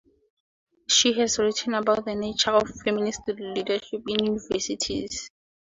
She has written about the nature of feminist leadership in universities.